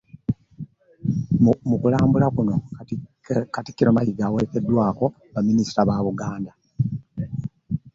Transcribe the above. Mu kulambula kuno, Katikkiro Mayiga awerekeddwako Baminisita ba Buganda